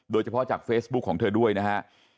โดยเฉพาะจากเฟซบุ๊คของเธอด้วยนะฮะ